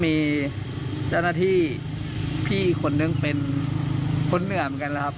มีเจ้าหน้าที่พี่อีกคนนึงเป็นคนเหนือเหมือนกันนะครับ